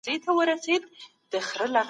د غریبانو حق باید په بشپړه توګه ادا سي.